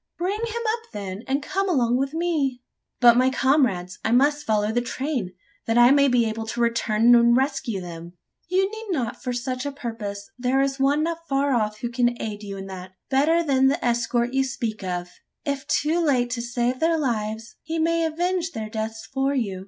"Bring him up, then, and come along with me!" "But my comrades? I must follow the train, that I may be able to return and rescue them?" "You need not, for such a purpose. There is one not far off who can aid you in that better than the escort you speak of. If too late to save their lives, he may avenge their deaths for you.